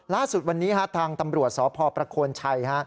ล่าสุดวันนี้ทางตำรวจสพประโคนชัย